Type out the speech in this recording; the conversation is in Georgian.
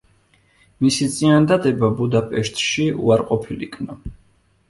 მისი წინადადება ბუდაპეშტში უარყოფილ იქნა.